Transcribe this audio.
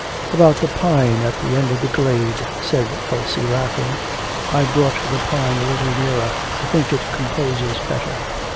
'About the pine at the end of the glade,' said Elsie laughing. 'I brought the pine a little nearer. I think it composes better.'